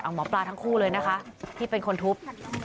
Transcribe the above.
หมอปลาทั้งคู่เลยนะคะที่เป็นคนทุบ